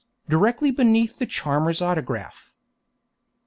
directly beneath the charmer's autograph.